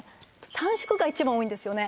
短縮が一番多いんですよね